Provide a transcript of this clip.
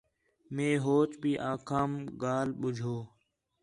مئے ہوچ بھی آکھام ڳالھ ٻُجّھو